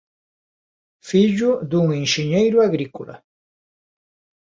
Fillo dun enxeñeiro agrícola.